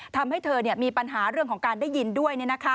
ทำให้เธอมีปัญหาเรื่องของการได้ยินด้วย